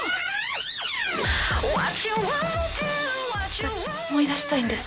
私思い出したいんです。